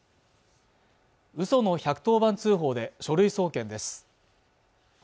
嘘の１１０番通報で書類送検です